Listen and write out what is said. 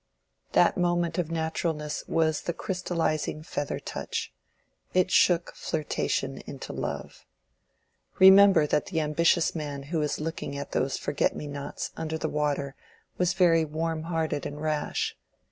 That moment of naturalness was the crystallizing feather touch: it shook flirtation into love. Remember that the ambitious man who was looking at those Forget me nots under the water was very warm hearted and rash.